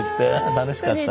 楽しかったわ。